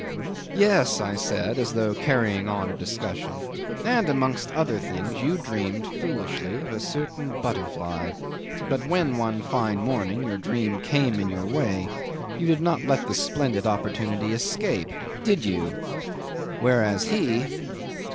"Yes," I said, as though carrying on a discussion, "and amongst other things you dreamed foolishly of a certain butterfly; but when one fine morning your dream came in your way you did not let the splendid opportunity escape. Did you? Whereas he